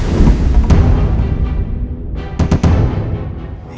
aku mau ke rumah